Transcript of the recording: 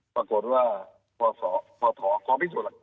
ปรากฏว่าพธก็ไม่สุดหรอกครับ